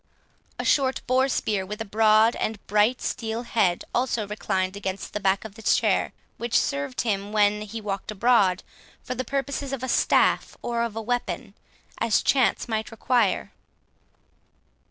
A short boar spear, with a broad and bright steel head, also reclined against the back of his chair, which served him, when he walked abroad, for the purposes of a staff or of a weapon, as chance might require.